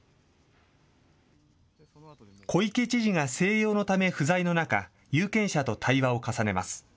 小池知事が静養のため不在の中、有権者と対話を重ねます。